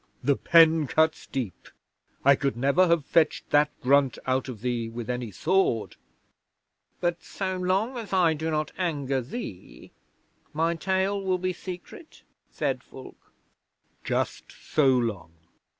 "The pen cuts deep. I could never have fetched that grunt out of thee with any sword." '"But so long as I do not anger thee, my tale will be secret?" said Fulke. '"Just so long.